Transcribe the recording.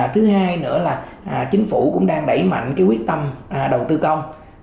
thứ hai nữa là chính phủ cũng đang đẩy mạnh cái quyết tâm đầu tư công